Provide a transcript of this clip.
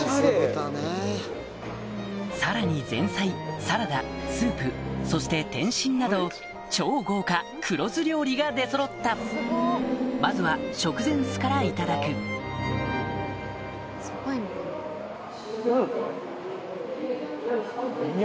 さらに前菜サラダスープそして点心など超豪華黒酢料理が出そろったまずは食前酢からいただくうん！